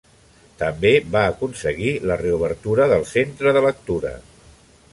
També va aconseguir la reobertura del Centre de Lectura.